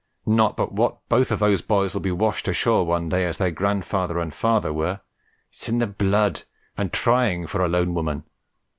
Not but what both of those boys will be washed ashore one day as their grandfather and father were. It's in the blood, and trying for a lone woman.